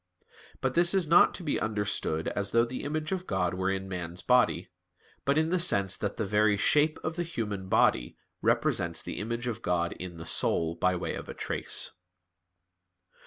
But this is not to be understood as though the image of God were in man's body; but in the sense that the very shape of the human body represents the image of God in the soul by way of a trace.